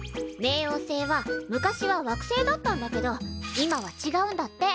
冥王星は昔は惑星だったんだけど今はちがうんだって。